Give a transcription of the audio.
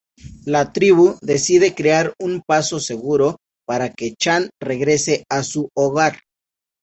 La tribu decide crear un paso seguro para que Chand regrese a su hogar.